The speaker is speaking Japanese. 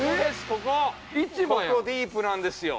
ここディープなんですよ。